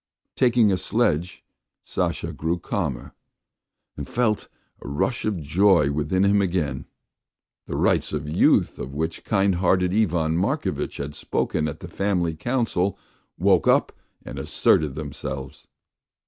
... Taking a sledge, Sasha grew calmer, and felt a rush of joy within him again. The "rights of youth" of which kind hearted Ivan Markovitch had spoken at the family council woke up and asserted themselves.